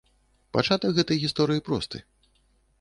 Пачатак гэтай гісторыі просты.